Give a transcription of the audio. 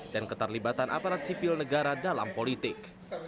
dan keterlibatan aparat sipil negara dalam politik